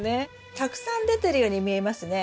たくさん出てるように見えますね。